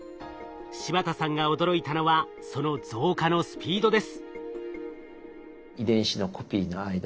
柴田さんが驚いたのはその増加のスピードです。